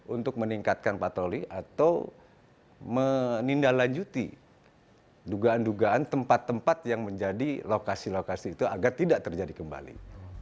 untuk meningkatkan patroli atau menindaklanjuti dugaan dugaan tempat tempat yang menjadi lokasi lokasi itu agar tidak terjadi kembali